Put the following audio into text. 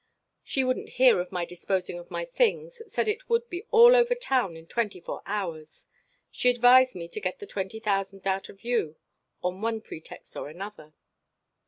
She wouldn't hear of my disposing of my things, said it would, be all over town in twenty four hours. She advised me to get the twenty thousand out of you on one pretext or another.